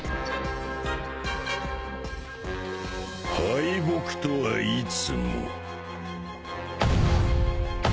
敗北とはいつも。